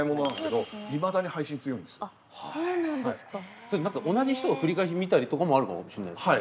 それ同じ人が繰り返し見たりとかもあるかもしれないですね。